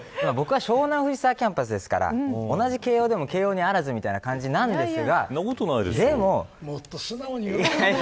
僕は湘南藤沢キャンパスですから同じ慶応でも慶応にあらずという感じなんですが。